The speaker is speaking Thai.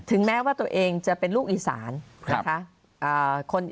แม้ว่าตัวเองจะเป็นลูกอีสานนะคะ